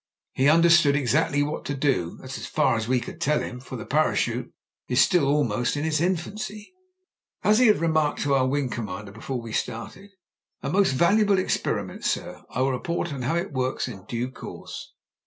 He understood exactly what to do — ^as far as we could tell him : for the parachute is still almost in its infancy. "As he had remarked to our wing commander be fore we started: 'A most valuable experiment, sir; I will report on how it works in due course.'